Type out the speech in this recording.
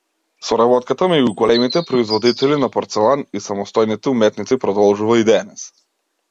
Соработката меѓу големите производители на порцелан и самостојните уметници продолжува и денес.